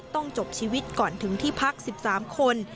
ต้องจบชีวิตก่อนถึงที่พัก๑๓คน